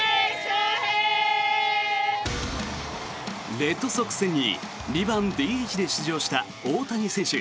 レッドソックス戦に２番ＤＨで出場した大谷選手。